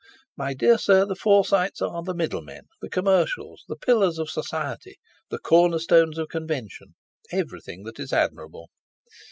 My dear sir, the Forsytes are the middlemen, the commercials, the pillars of society, the cornerstones of convention; everything that is admirable!"